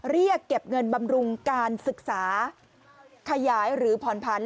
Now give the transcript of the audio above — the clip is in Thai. เรียกเก็บเงินบำรุงการศึกษาขยายหรือผ่อนผัน